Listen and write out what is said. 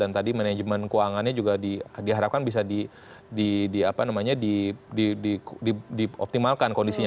dan tadi manajemen keuangannya juga diharapkan bisa dioptimalkan kondisinya